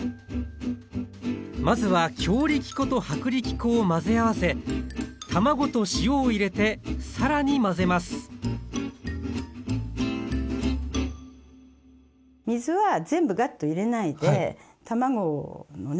まずは強力粉と薄力粉を混ぜ合わせ卵と塩を入れて更に混ぜます水は全部ガッと入れないで卵のね